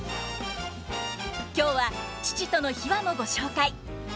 今日は父との秘話もご紹介。